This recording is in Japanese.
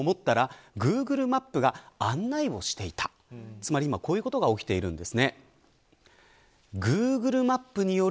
つまり今こういうことが起きているんですね。